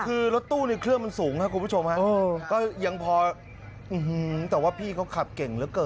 คือรถตู้ในเครื่องมันสูงครับคุณผู้ชมฮะก็ยังพอแต่ว่าพี่เขาขับเก่งเหลือเกิน